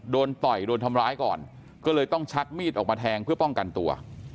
ต่อยโดนทำร้ายก่อนก็เลยต้องชักมีดออกมาแทงเพื่อป้องกันตัว